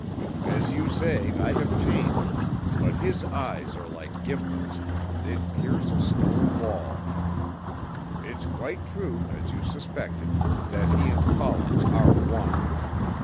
As you say, I have changed; but his eyes are like gimlets, they'd pierce a stone wall. It's quite true, as you suspected, that he and Collins are one.